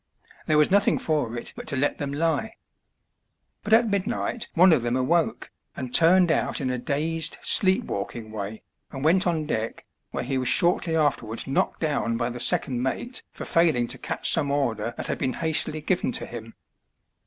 There was nothing for it but to let them lie. But at midnight one of them awoke, and turned out in a dazed sleep walking way, and went on deck, where he was shortly after wards knocked down by the second mate for failing to catch some order that had been hastily given to him.